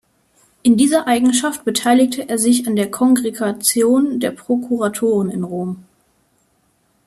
In dieser Eigenschaft beteiligte er sich an der Kongregation der Prokuratoren in Rom.